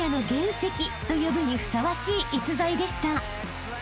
［と呼ぶにふさわしい逸材でした］